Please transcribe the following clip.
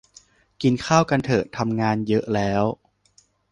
กินข้าวกันเถอะ ทำงาน ? เยอะ ? แล้ว ?